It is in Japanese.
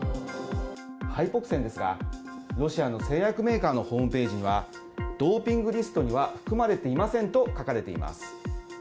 ハイポキセンですがロシアの製薬メーカーのホームページにはドーピングリストには含まれていませんと書かれています。